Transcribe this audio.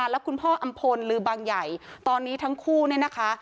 แล้วคุณพ่ออำพลลือบางใหญ่ตอนนี้ทั้งคู่เนี่ยนะคะ